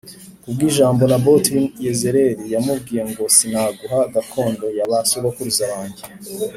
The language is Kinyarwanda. ku bw’ijambo Naboti w’i Yezerēli yamubwiye ngo “Sinaguha gakondo ya ba sogokuruza banjye”